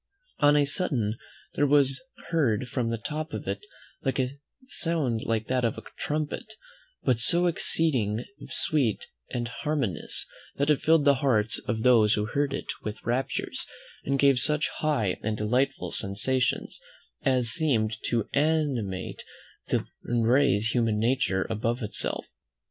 On a sudden there was heard from the top of it a sound like that of a trumpet, but so exceeding sweet and harmonious, that it filled the hearts of those who heard it with raptures, and gave such high and delightful sensations, as seemed to animate and raise human nature above itself.